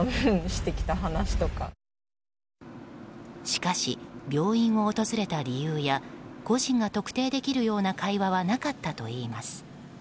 しかし、病院を訪れた理由や個人が特定できるような会話はなかったといいます。